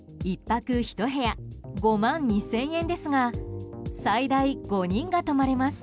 １泊１部屋５万２０００円ですが最大５人が泊まれます。